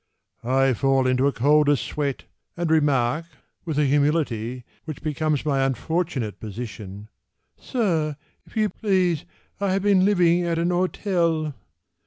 I fall into a colder sweat And remark, With a humility Which becomes my unfortunate position, "Sir, if you please, I have been living at an hotel."